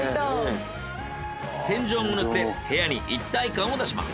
天井も塗って部屋に一体感を出します。